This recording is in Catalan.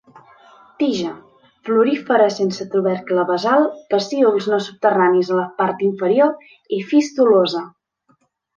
Tija: florífera sense tubercle basal, pecíols no subterranis a la part inferior, i fistulosa.